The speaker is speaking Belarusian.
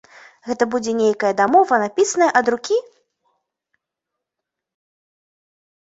Гэта будзе нейкая дамова, напісаная ад рукі?